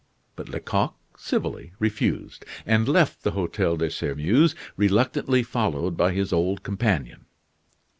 But Lecoq civilly refused, and left the Hotel de Sairmeuse, reluctantly followed by his old companion.